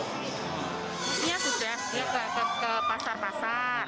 sebenarnya sudah ya kan ke pasar pasar